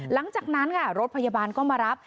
หลังจากนั้นค่ะรถพยาบาลก็มารับ